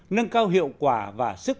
nâng cao hiệu quả và sức